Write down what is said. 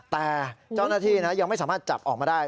แต่เจ้าหน้าที่ยังไม่สามารถจับออกมาได้